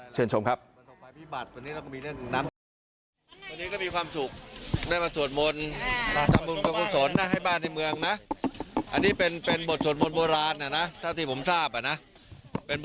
เชิญชมครับ